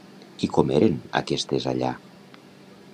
I com eren aquestes allà?